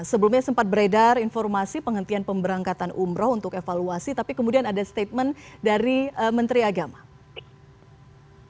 sebelumnya sempat beredar informasi penghentian pemberangkatan umroh untuk evaluasi tapi kemudian ada statement dari menteri agama